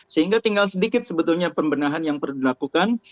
sehingga tinggal sedikit sebetulnya pembenahan yang perlu dilakukan